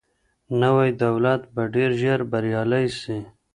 نوی دولت به ډیر ژر بریالی سي.